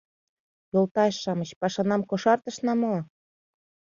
Йолташ-шамыч, пашанам кошартышна мо?